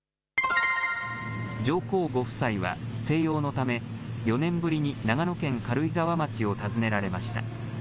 上皇ご夫妻は、静養のため、４年ぶりに長野県軽井沢町を訪ねられました。